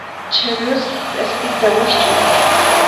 Chhallusqa qispita wikch'uy.